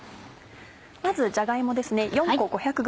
まずじゃが芋ですね。